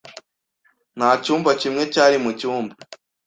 Nta cyumba kimwe cyari mu cyumba .